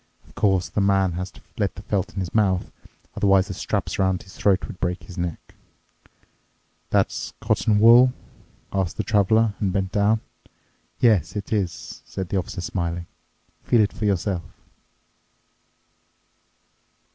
Of course, the man has to let the felt in his mouth—otherwise the straps around his throat would break his neck." "That's cotton wool?" asked the Traveler and bent down. "Yes, it is," said the Officer smiling, "feel it for yourself."